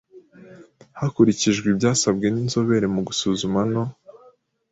hakurikijwe ibyasabwe n inzobere mu gusuzuma no